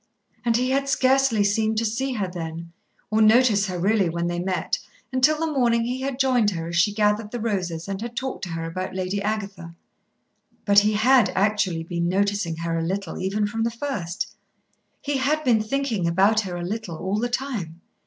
And he had scarcely seemed to see her then, or notice her really when they met, until the morning he had joined her as she gathered the roses and had talked to her about Lady Agatha. But he had actually been noticing her a little even from the first he had been thinking about her a little all the time.